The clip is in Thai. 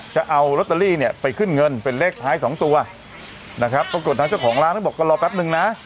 จะเอาลอตเตอรี่เนี่ยไปขึ้นเงินเป็นเลขท้ายสองตัวนะครับปรากฏทางเจ้าของร้านก็บอกก็รอแป๊บนึงนะ